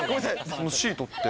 このシートって。